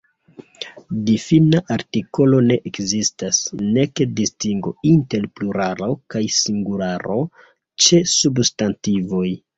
Difina artikolo ne ekzistas, nek distingo inter pluralo kaj singularo ĉe substantivoj.